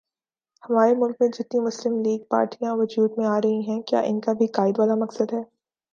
ہمارے ملک میں جتنی مسلم لیگ پارٹیاں وجود میں آرہی ہیں کیا انکا بھی قائد والا مقصد ہے